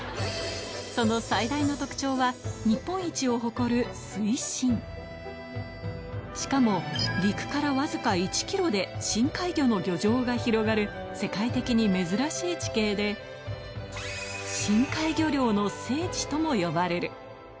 その最大の特徴は、日本一を誇る水深。しかも陸から僅か１キロで深海魚の漁場が広がる、世界的に珍しい地形で、深海魚漁の聖地とも呼ばれる。